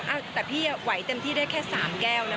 อ่ะแต่พี่ไหวเต็มที่ได้แค่๓แก้วนะ